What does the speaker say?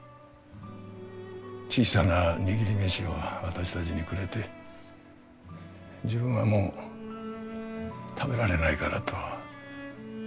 小さな握り飯を私たちにくれて自分はもう食べられないからと。